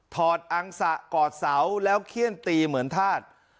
อดอังสะกอดเสาแล้วเขี้ยนตีเหมือนธาตุ